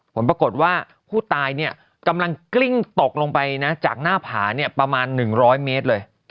ผลปรากฏว่าผู้ตายกำลังกลิ้งตกลงไปจากหน้าผาประมาณ๑๐๐เมตรเลย